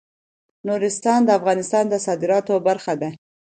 نورستان د افغانستان د صادراتو برخه ده.